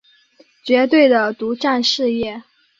绝对的独占事业